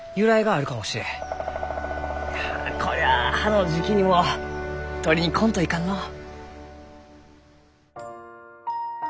こりゃあ葉の時期にも採りに来んといかんのう。